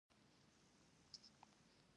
پنېر له زوړ عمر سره نور هم خوندور شي.